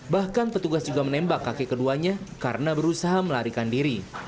bahkan petugas juga menembak kakek keduanya karena berusaha melarikan diri